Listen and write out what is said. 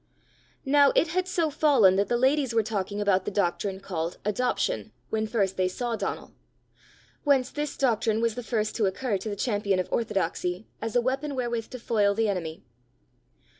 Now it had so fallen that the ladies were talking about the doctrine called Adoption when first they saw Donal; whence this doctrine was the first to occur to the champion of orthodoxy as a weapon wherewith to foil the enemy.